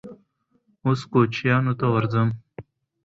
_اوس کوچيانو ته ورځم.